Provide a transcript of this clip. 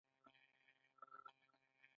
هغه د امریکا یو دېرشم ولسمشر و.